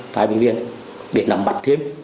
tài bệnh viện để làm bắt thêm